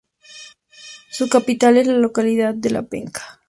Su capital es la localidad de La Peca.